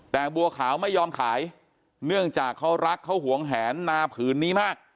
แต่บัวขาวไม่ยอมขายเนื่องจากเขารักเขาหวงแหนนาผืนนี้มาก